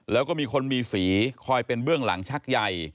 แล้วก็มีคนมีสีคอยเป็นเบื้องหลังชักใย